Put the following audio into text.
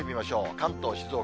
関東、静岡。